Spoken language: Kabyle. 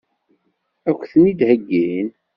Ad k-ten-id-heggin?